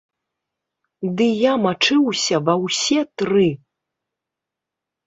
Ды я мачыўся ва ўсе тры!